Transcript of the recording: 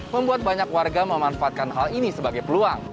membuat banyak warga memanfaatkan hal ini sebagai peluang